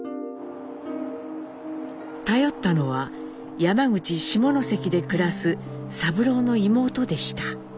頼ったのは山口下関で暮らす三郎の妹でした。